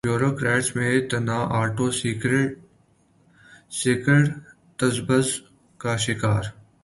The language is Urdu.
بیوروکریٹس میں تنا اٹو سیکٹر تذبذب کا شکار